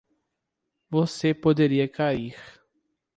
Você poderia cair